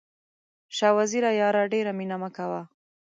شاه وزیره یاره ډېره مینه مه کوه.